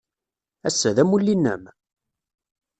Ass-a, d amulli-nnem?